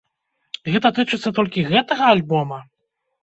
Гэта тычыцца толькі гэтага альбома?